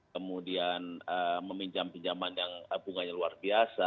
kemudian meminjam pinjaman yang bunganya luar biasa